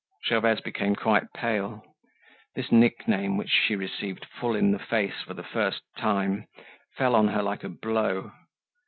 Gervaise became quite pale. This nickname, which she received full in the face for the first time, fell on her like a blow.